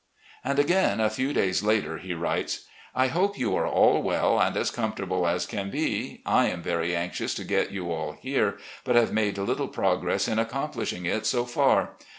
." And again, a few days later, he writes :"... I hope you are all well, and as comfortable as can be. I am very anxious to get you all here, but have made little progress in accomplishing it so far.